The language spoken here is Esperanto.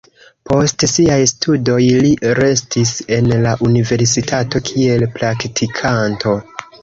Post siaj studoj li restis en la universitato kiel praktikanto.